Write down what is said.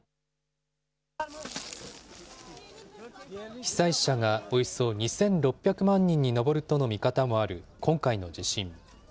被災者がおよそ２６００万人に上るとの見方もある今回の地震。